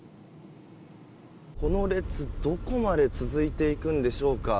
この列、どこまで続いていくんでしょうか。